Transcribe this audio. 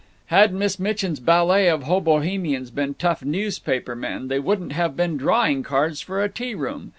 Had Miss Mitchin's ballet of hobohemians been tough newspapermen they wouldn't have been drawing cards for a tea room.